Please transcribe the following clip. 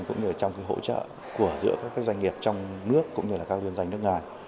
cũng như là trong cái hỗ trợ của giữa các doanh nghiệp trong nước cũng như là các lương doanh nước ngoài